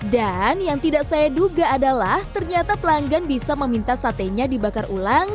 dan yang tidak saya duga adalah ternyata pelanggan bisa meminta satenya dibakar ulang